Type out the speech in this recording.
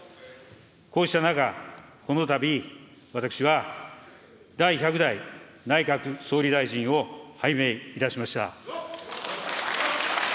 こうした中、このたび、私は、第１００代内閣総理大臣を拝命いたしました。